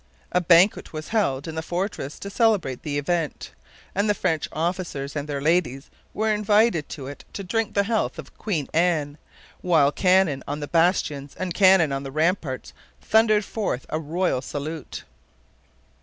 A banquet was held in the fortress to celebrate the event, and the French officers and their ladies were invited to it to drink the health of Queen Anne, while cannon on the bastions and cannon on the ramparts thundered forth a royal salute.